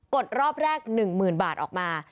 กดรอบแรกหนึ่งหมื่นบาทออกมา